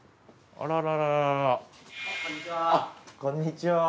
あっこんにちは。